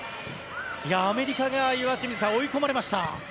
アメリカが追い込まれました。